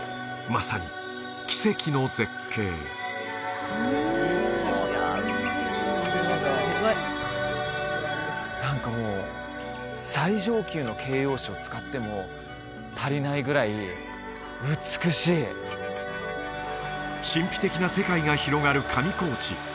まさに奇跡の絶景何かもう最上級の形容詞を使っても足りないぐらい美しい神秘的な世界が広がる上高地